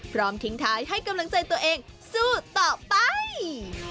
พร้อมทิ้งท้ายให้กำลังใจตัวเองสู้ต่อไป